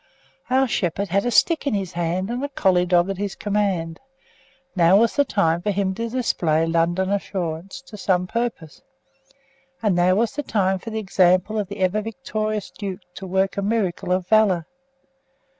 Our shepherd had a stick in his hand and a collie dog at his command. Now was the time for him to display "London Assurance" to some purpose; and now was the time for the example of the ever victorious Duke to work a miracle of valour.